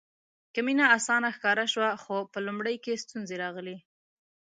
که مینه اسانه ښکاره شوه خو په لومړي کې ستونزې راغلې.